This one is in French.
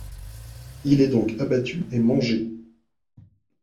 Il est donc abattu et mangé.